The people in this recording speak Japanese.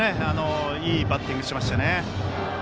いいバッティングしました。